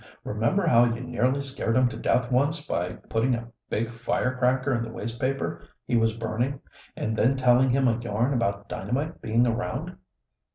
"Remember how you nearly scared him to death once by putting a big fire cracker in the waste paper he was burning and then telling him a yarn about dynamite being around?"